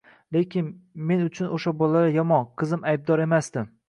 Lekin men uchun o`sha bolalar yomon, qizim aybdor emasdi